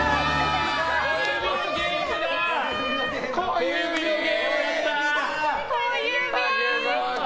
小指のゲームだ！